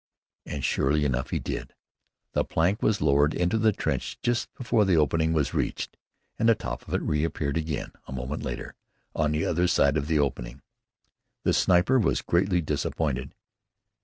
And surely enough, he did. The plank was lowered into the trench just before the opening was reached, and the top of it reappeared again, a moment later, on the other side of the opening. The sniper was greatly disappointed.